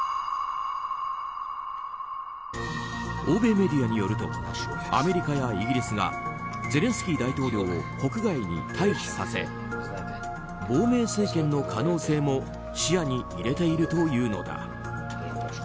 欧米メディアによるとアメリカやイギリスがゼレンスキー大統領を国外に退避させ亡命政権の可能性も視野に入れているというのだ。